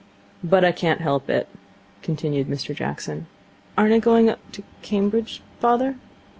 'But I can't help it,' continued Mr Jackson. 'Aren't I going up to Cambridge, father?'